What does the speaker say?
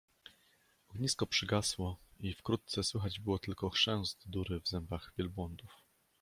Ognisko przygasło i wkrótce słychać było tylko chrzęst durry w zębach wielbłądów.